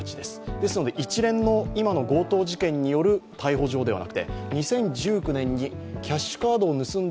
ですので、一連の今の強盗事件による逮捕状ではなくて、２０１９年にキャッシュカードを盗んだ